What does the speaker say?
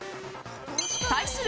対する